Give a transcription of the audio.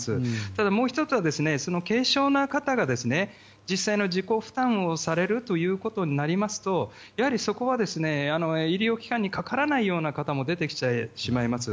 ただ、もう１つは軽症の方が実際の自己負担をされることになりますと医療機関にかからないような方も出てきてしまいます。